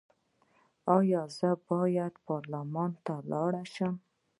ایا زه باید پارلمان ته لاړ شم؟